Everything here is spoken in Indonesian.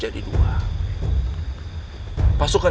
aku bisa merasakan